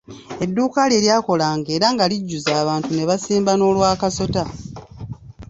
Edduuka lye lyakolanga era nga lijjuza abantu ne basimba n'olw'akasota.